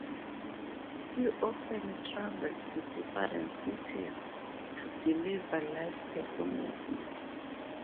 He often travels to different cities to deliver live performances.